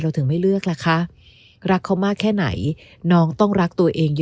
ถึงไม่เลือกล่ะคะรักเขามากแค่ไหนน้องต้องรักตัวเองเยอะ